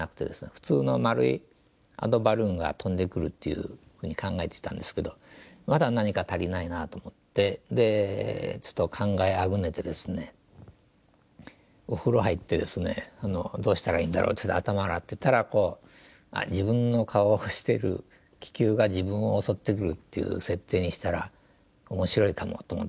普通の丸いアドバルーンが飛んでくるっていうふうに考えてたんですけどまだ何か足りないなと思ってでちょっと考えあぐねてですねお風呂入ってですねどうしたらいいんだろうって頭洗ってたらこう自分の顔をしてる気球が自分を襲ってくるっていう設定にしたら面白いかもと思ってですね